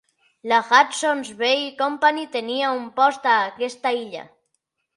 La Hudson's Bay Company tenia un post a aquesta illa.